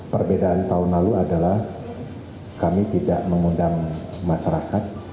perbedaan tahun lalu adalah kami tidak mengundang masyarakat